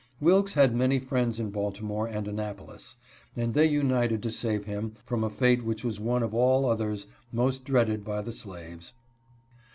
Wilks had many friends in Baltimore and Annapolis, and they united to save him from a fate which was one of all others most dreaded by the slaves.